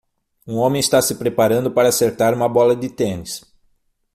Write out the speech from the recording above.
Um homem está se preparando para acertar uma bola de tênis.